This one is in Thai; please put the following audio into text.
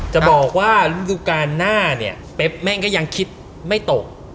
จะบอกว่าฤดูการหน้าเนี่ยเป๊บแม่งก็ยังคิดไม่ตก